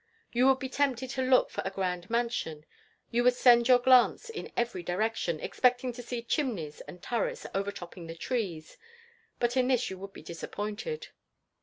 You would be tempted to look for a grand mansion. You would send your glance in every direction, expecting to see chimneys and turrets overtopping the trees; but in this you would be disappointed.